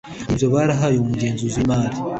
ni byo barahaye uwo mugenzuzi w’imari